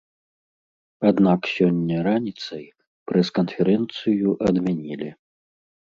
Аднак сёння раніцай прэс-канферэнцыю адмянілі.